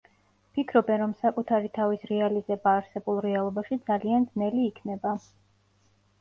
ფიქრობენ, რომ საკუთარი თავის რეალიზება არსებულ რეალობაში ძალიან ძნელი იქნება.